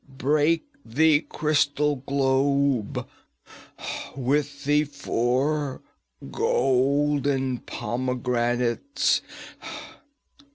Break the crystal globe with the four golden pomegranates.